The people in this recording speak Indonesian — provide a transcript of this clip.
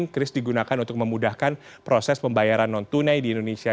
kris digunakan untuk memudahkan proses pembayaran non tunai di indonesia